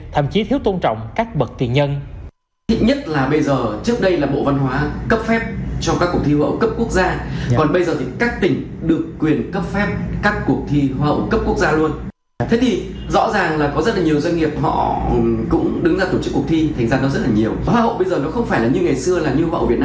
thậm chí thiếu tôn trọng các bậc tiền nhân